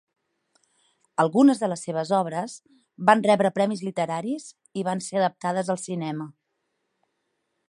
Algunes de les seves obres van rebre premis literaris i van ser adaptades al cinema.